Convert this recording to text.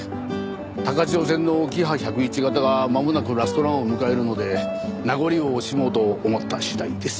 高千代線のキハ１０１形がまもなくラストランを迎えるので名残を惜しもうと思った次第です。